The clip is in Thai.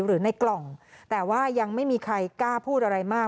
หรือในกล่องแต่ว่ายังไม่มีใครกล้าพูดอะไรมาก